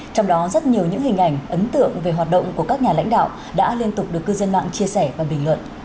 trong đó rất nhiều những hình ảnh ấn tượng về hoạt động của các nhà lãnh đạo đã liên tục được cư dân mạng chia sẻ và bình luận